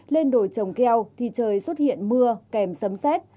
lên đồi trồng keo thì trời xuất hiện mưa kèm sấm xét